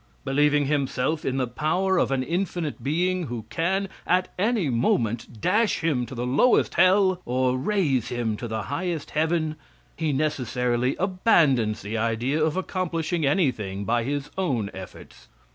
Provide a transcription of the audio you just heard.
Believing himself in the power of an infinite being, who can, at any moment, dash him to the lowest hell or raise him to the highest heaven, he necessarily abandons the idea of accomplishing anything by his own efforts.